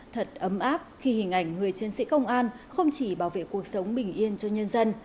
thật ấm áp khi hình ảnh người chiến sĩ công an không chỉ bảo vệ cuộc sống bình yên cho nhân dân